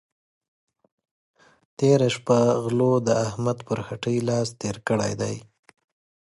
تېره شه غلو د احمد پر هټۍ لاس تېر کړی دی.